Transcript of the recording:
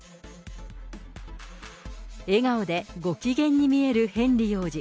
笑顔でご機嫌に見えるヘンリー王子。